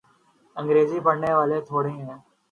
انگریزی پڑھنے والے تھوڑے ہیں۔